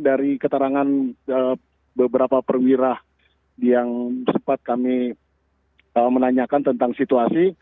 dari keterangan beberapa perwira yang sempat kami menanyakan tentang situasi